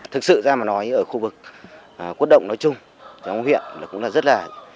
thực sự ra mà nói ở khu vực quốc động nói chung trong huyện là cũng là rất là